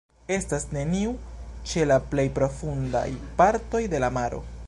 Estas neniu ĉe la plej profundaj partoj de la maro.